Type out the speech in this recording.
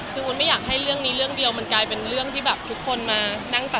คือวุ้นไม่อยากให้เรื่องนี้เรื่องเดียวมันกลายเป็นเรื่องที่แบบทุกคนมานั่งตัด